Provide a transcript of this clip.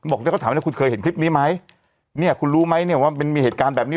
เนี่ยเขาถามว่าคุณเคยเห็นคลิปนี้ไหมเนี่ยคุณรู้ไหมเนี่ยว่ามันมีเหตุการณ์แบบนี้